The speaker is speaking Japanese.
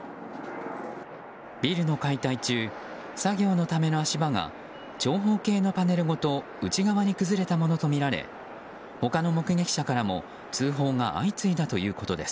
ビルの解体中作業のための足場が長方形のパネルごと内側に崩れたものとみられ他の目撃者からも通報が相次いだということです。